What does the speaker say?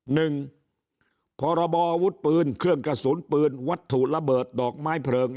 พรบออาวุธปืนเครื่องกระสุนปืนวัตถุระเบิดดอกไม้เพลิง